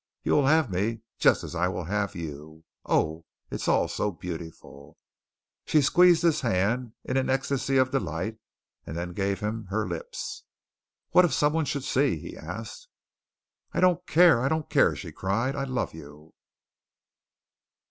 You will have me just as I will have you. Oh, it is all so beautiful!" She squeezed his hand in an ecstasy of delight and then gave him her lips. "What if someone should see?" he asked. "I don't care! I don't care!" she cried. "I love you!"